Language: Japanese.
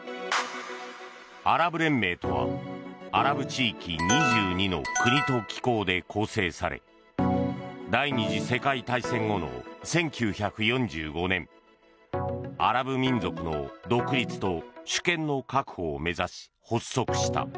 アラブ連盟とは、アラブ地域２２の国と機構で構成され第２次世界大戦後の１９４５年アラブ民族の独立と主権の確保を目指し発足した。